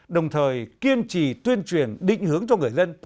đồng thời kiên trì tuyên truyền định hướng cho người dân